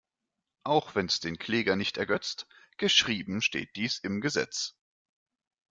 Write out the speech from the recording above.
Auch wenn’s den Kläger nicht ergötzt, geschrieben steht dies im Gesetz.